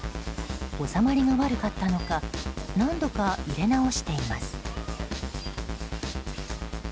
収まりが悪かったのか何度か入れ直しています。